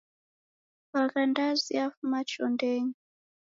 Bagha ndazi yafuma chondenyi.